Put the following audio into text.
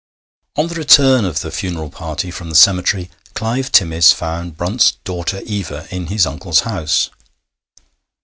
On the return of the funeral party from the cemetery, Clive Timmis found Brunt's daughter Eva in his uncle's house.